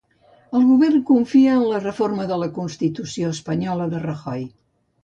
El govern confia en la reforma de la constitució espanyola de Rajoy.